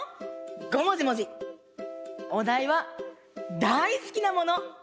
おだいはだいすきなもの！